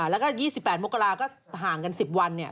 แล้วก็๒๘มกราก็ห่างกัน๑๐วันเนี่ย